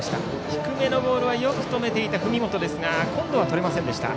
低めのボールはよく止めていた文元ですが今度はとれませんでした。